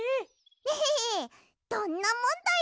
エヘヘどんなもんだい！